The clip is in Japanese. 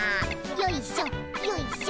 よいしょよいしょ。